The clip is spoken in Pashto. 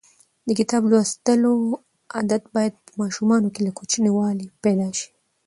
د کتاب لوستلو عادت باید په ماشومانو کې له کوچنیوالي پیدا شي.